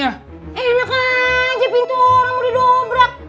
saya mau panick pintunya